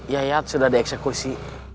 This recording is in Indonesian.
yayat sudah dieksekusi